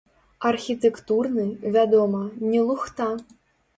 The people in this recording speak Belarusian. Архітэктурны, вядома, не лухта.